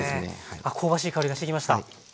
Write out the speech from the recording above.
香ばしい香りがしてきました。